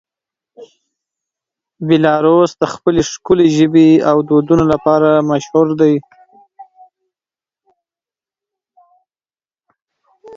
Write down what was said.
بیلاروس د خپل ښکلې ژبې او دودونو لپاره مشهوره دی.